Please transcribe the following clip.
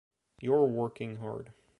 You’re working hard.